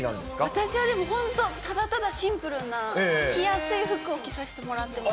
私はでも、本当、ただただシンプルな、着やすい服を着させてもらってます。